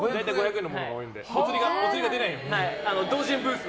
お釣りが出ないように。